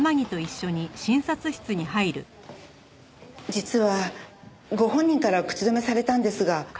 実はご本人からは口止めされたんですが。